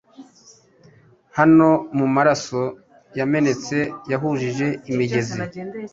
Hano mumaraso yamenetse yahujije imigezi